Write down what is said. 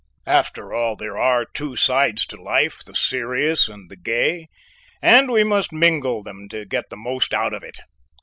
After all there are two sides to life the serious and the gay and we must mingle them to get the most out of it.